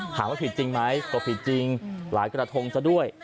ถามว่าผิดจริงไหมก็ผิดจริงหลายกระทงซะด้วย